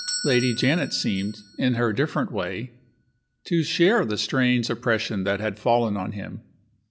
Lady Janet seemed, in her different way, to share the strange oppression that had fallen on him.